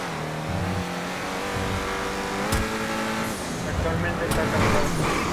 Abrazó la causa de la independencia, pero desde el sector moderado.